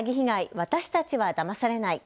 私たちはだまされない。